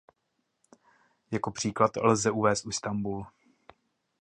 Jako příklad lze uvést Istanbul.